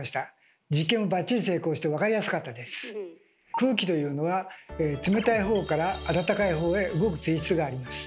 空気というのは冷たいほうからあたたかいほうへ動く性質があります。